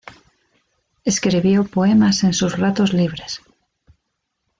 Escribió poemas en sus ratos libres.